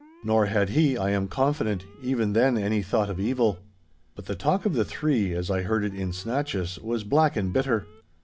Nor had he, I am confident, even then any thought of evil. 'But the talk of the three, as I heard it in snatches, was black and bitter.